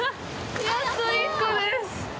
やっと１個です。